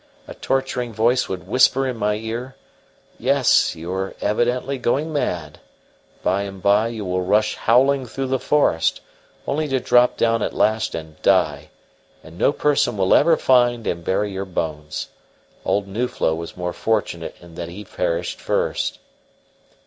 A torturing voice would whisper in my ear: "Yes, you are evidently going mad. By and by you will rush howling through the forest, only to drop down at last and die; and no person will ever find and bury your bones. Old Nuflo was more fortunate in that he perished first."